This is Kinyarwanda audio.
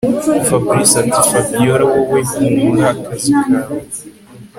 Fabric atiFabiora wowe humura akazi kawe